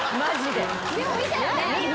でも見たよね？